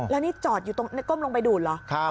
แล้วนี่จอดอยู่ตรงก้มลงไปดูดเหรอ